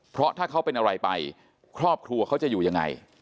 เพราะถ้าเขาเป็นอะไรไปครอบครัวเขาจะอยู่ยังไง